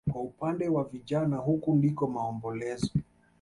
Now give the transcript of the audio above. Kwa upande wa vijana huku ndiko maombolezo